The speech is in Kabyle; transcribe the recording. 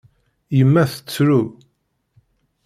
Yemma tettru.